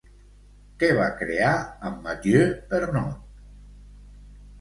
Què va crear amb Mathieu Pernot?